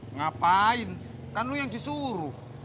ngapain kan lo yang disuruh